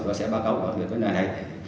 và sẽ báo cáo việc tới ngày nay